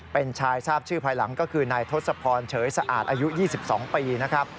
เป็นชายทราบชื่อภายหลังก็คือนายทศพรเฉยสะอาดอายุ๒๒ปีนะครับ